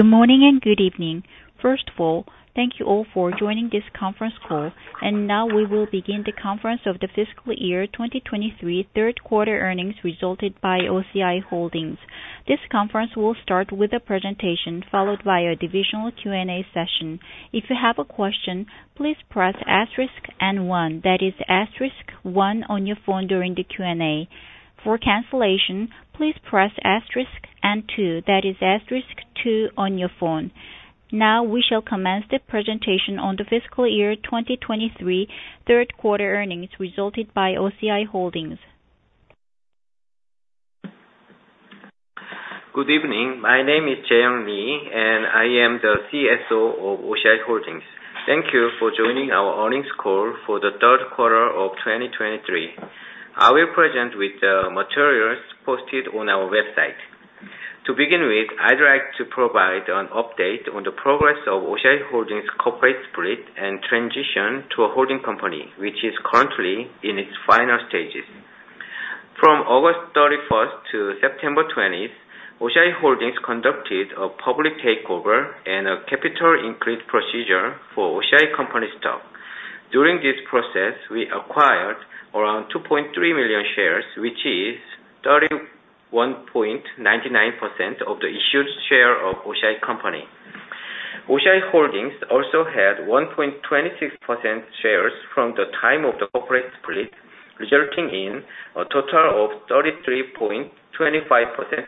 Good morning, and good evening. First of all, thank you all for joining this conference call, and now we will begin the conference of the fiscal year 2023, third quarter earnings results by OCI Holdings. This conference will start with a presentation, followed by a divisional Q&A session. If you have a question, please press asterisk and one. That is asterisk one on your phone during the Q&A. For cancellation, please press asterisk and two, that is asterisk two on your phone. Now, we shall commence the presentation on the fiscal year 2023, third quarter earnings results by OCI Holdings. Good evening. My name is Jae Lee, and I am the CSO of OCI Holdings. Thank you for joining our earnings call for the third quarter of 2023. I will present with the materials posted on our website. To begin with, I'd like to provide an update on the progress of OCI Holdings' Corporate Split and transition to a holding company, which is currently in its final stages. From August 31st to September 20th, OCI Holdings conducted a public takeover and a capital increase procedure for OCI Company stock. During this process, we acquired around 2.3 million shares, which is 31.99% of the issued share of OCI Company. OCI Holdings also had 1.26% shares from the time of the Corporate Split, resulting in a total of 33.25%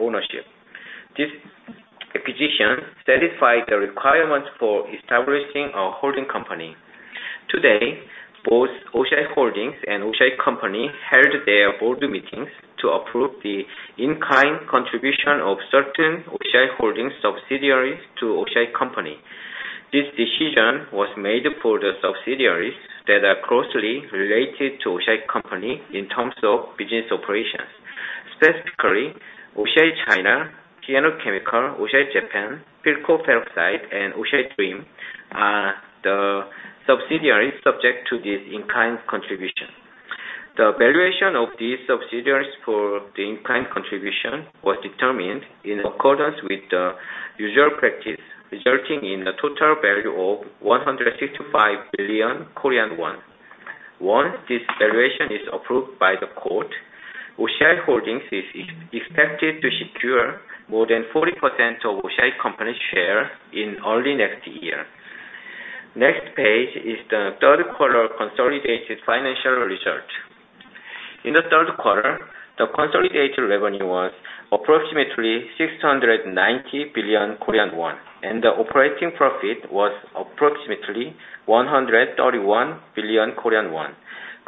ownership. This acquisition satisfied the requirements for establishing a holding company. Today, both OCI Holdings and OCI Company held their board meetings to approve the in-kind contribution of certain OCI Holdings subsidiaries to OCI Company. This decision was made for the subsidiaries that are closely related to OCI Company in terms of business operations. Specifically, OCI China, P&O Chemical, OCI Japan, Philko Peroxide, and OCI Dream are the subsidiaries subject to this in-kind contribution. The valuation of these subsidiaries for the in-kind contribution was determined in accordance with the usual practice, resulting in a total value of 165 billion Korean won. Once this valuation is approved by the court, OCI Holdings is expected to secure more than 40% of OCI Company shares in early next year. Next page is the third quarter consolidated financial results. In the third quarter, the consolidated revenue was approximately 690 billion Korean won, and the operating profit was approximately 131 billion Korean won.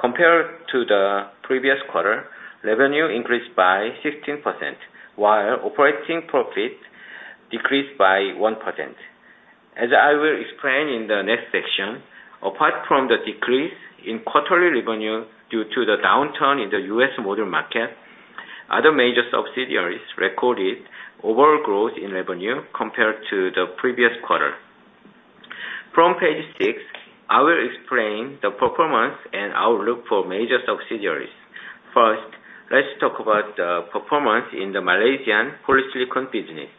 Compared to the previous quarter, revenue increased by 16%, while operating profit decreased by 1%. As I will explain in the next section, apart from the decrease in quarterly revenue due to the downturn in the U.S. module market, other major subsidiaries recorded overall growth in revenue compared to the previous quarter. From page 6, I will explain the performance and outlook for major subsidiaries. First, let's talk about the performance in the Malaysian polysilicon business.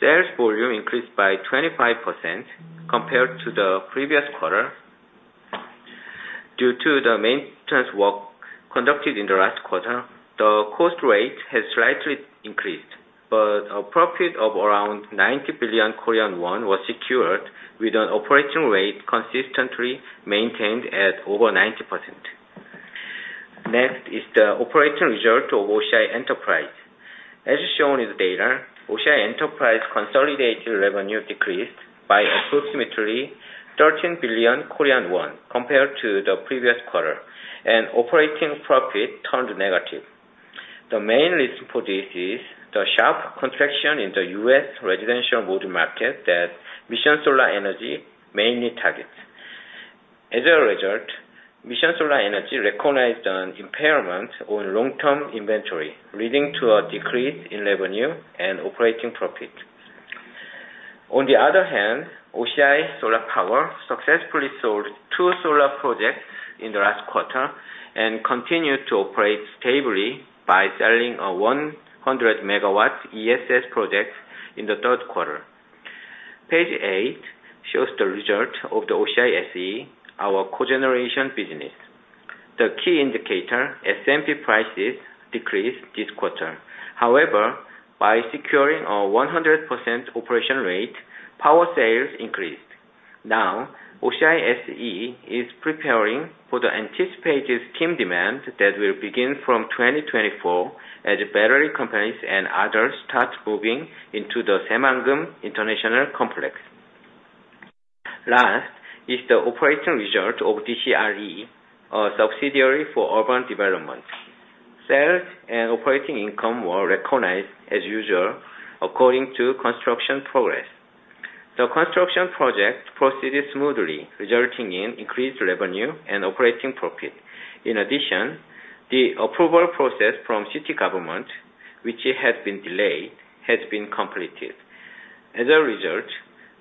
Sales volume increased by 25% compared to the previous quarter. Due to the maintenance work conducted in the last quarter, the cost rate has slightly increased, but a profit of around 90 billion Korean won was secured with an operating rate consistently maintained at over 90%. Next is the operating result of OCI Enterprises. As shown in the data, OCI Enterprises' consolidated revenue decreased by approximately 13 billion Korean won, compared to the previous quarter, and operating profit turned negative. The main reason for this is the sharp contraction in the U.S. residential module market that Mission Solar Energy mainly targets. As a result, Mission Solar Energy recognized an impairment on long-term inventory, leading to a decrease in revenue and operating profit. On the other hand, OCI Solar Power successfully sold two solar projects in the last quarter and continued to operate stably by selling a 100-megawatt ESS project in the third quarter. Page 8 shows the result of the OCI SE, our cogeneration business. The key indicator, SMP prices, decreased this quarter. However, by securing a 100% operation rate, power sales increased. Now, OCI SE is preparing for the anticipated steam demand that will begin from 2024, as battery companies and others start moving into the Saemangeum Industrial Complex. Last is the operating result of DCRE, a subsidiary for urban development. Sales and operating income were recognized as usual, according to construction progress. The construction project proceeded smoothly, resulting in increased revenue and operating profit. In addition, the approval process from city government, which had been delayed, has been completed. As a result,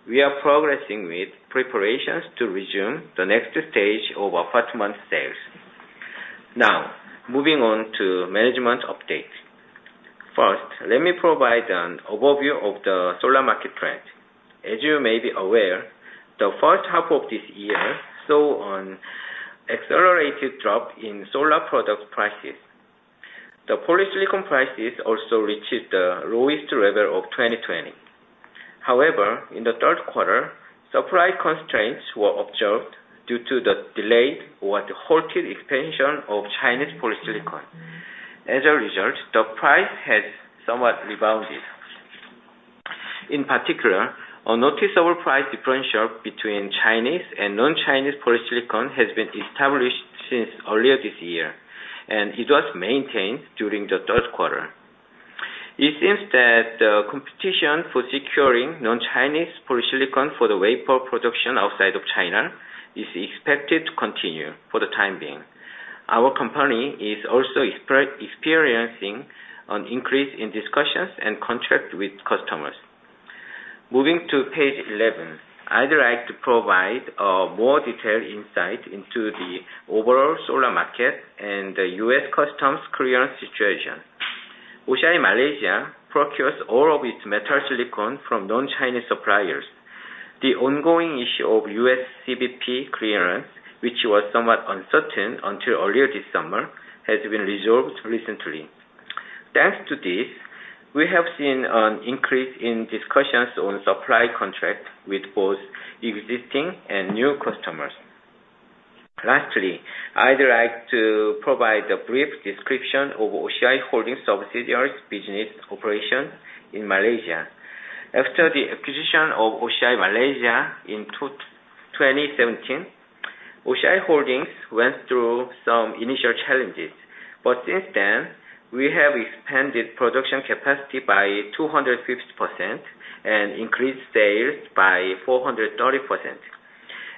we are progressing with preparations to resume the next stage of apartment sales. Now, moving on to management update. First, let me provide an overview of the solar market trend. As you may be aware, the first half of this year saw an accelerated drop in solar product prices. The polysilicon prices also reached the lowest level of 2020. However, in the third quarter, supply constraints were observed due to the delayed or the halted expansion of Chinese polysilicon. As a result, the price has somewhat rebounded. In particular, a noticeable price differential between Chinese and non-Chinese polysilicon has been established since earlier this year, and it was maintained during the third quarter. It seems that the competition for securing non-Chinese polysilicon for the wafer production outside of China is expected to continue for the time being. Our company is also experiencing an increase in discussions and contract with customers. Moving to page 11, I'd like to provide more detailed insight into the overall solar market and the U.S. customs clearance situation. OCI Malaysia procures all of its metal silicon from non-Chinese suppliers. The ongoing issue of U.S. CBP clearance, which was somewhat uncertain until earlier this summer, has been resolved recently. Thanks to this, we have seen an increase in discussions on supply contract with both existing and new customers. Lastly, I'd like to provide a brief description of OCI Holdings' subsidiaries business operation in Malaysia. After the acquisition of OCI Malaysia in 2017, OCI Holdings went through some initial challenges, but since then, we have expanded production capacity by 250% and increased sales by 430%.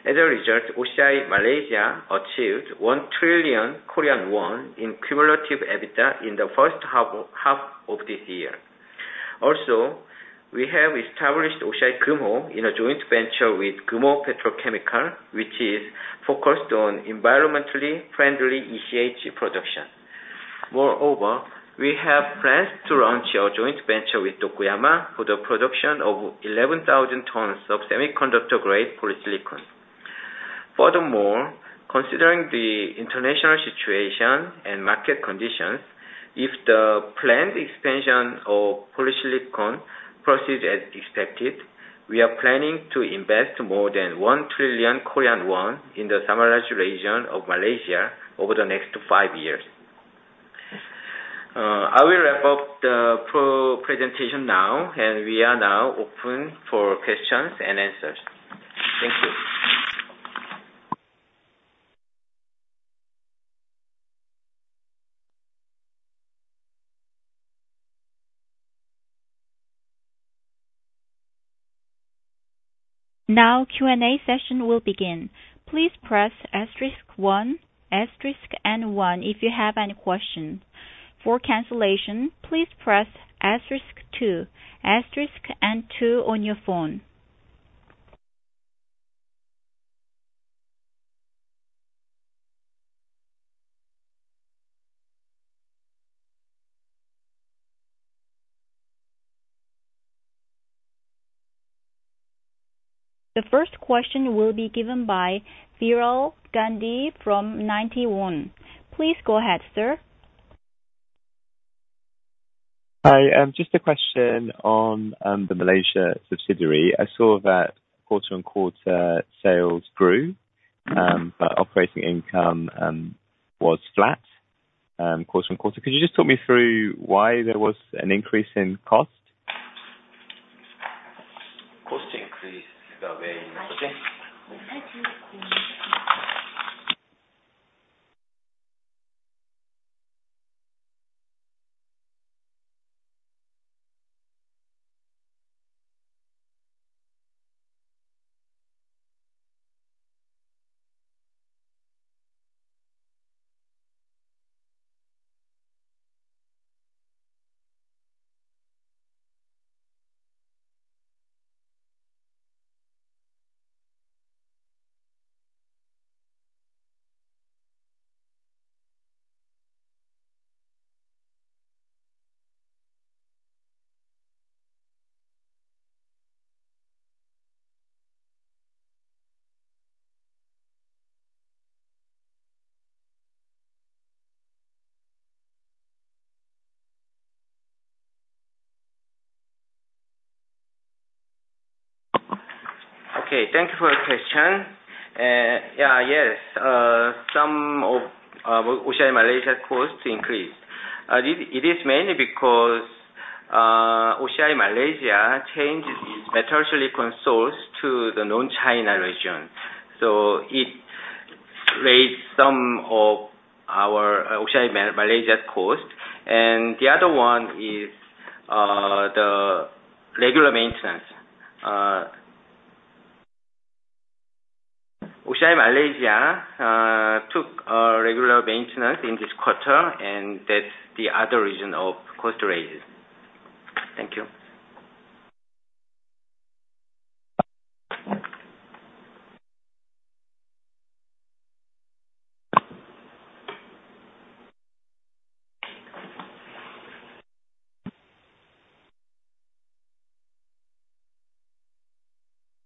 As a result, OCI Malaysia achieved 1 trillion Korean won in cumulative EBITDA in the first half of this year. Also, we have established OCI Kumho in a joint venture with Kumho Petrochemical, which is focused on environmentally friendly ECH production. Moreover, we have plans to launch a joint venture with Tokuyama for the production of 11,000 tons of semiconductor-grade polysilicon. Furthermore, considering the international situation and market conditions, if the planned expansion of polysilicon proceeds as expected, we are planning to invest more than 1 trillion Korean won in the Samalaju region of Malaysia over the next five years. I will wrap up the presentation now, and we are now open for questions and answers. Thank you. Now, Q&A session will begin. Please press asterisk one, asterisk and one, if you have any questions. For cancellation, please press asterisk two, asterisk and two on your phone. The first question will be given by Veeral Gandhi from Ninety One. Please go ahead, sir. Hi, just a question on the Malaysia subsidiary. I saw that quarter-on-quarter sales grew, but operating income was flat, quarter-on-quarter. Could you just talk me through why there was an increase in cost? Cost increase, the way- Okay. Okay, thank you for your question. Yeah, yes, some of OCI Malaysia's costs increased. It is mainly because OCI Malaysia changed its metal silicon source to the non-China region, so it raised some of our OCI Malaysia costs. And the other one is the regular maintenance. OCI Malaysia took a regular maintenance in this quarter, and that's the other reason of cost raises. Thank you.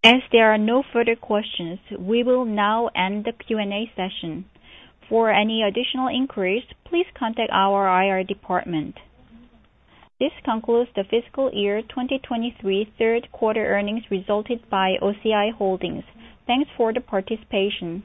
As there are no further questions, we will now end the Q&A session. For any additional inquiries, please contact our IR department. This concludes the fiscal year 2023 third quarter earnings results by OCI Holdings. Thanks for the participation.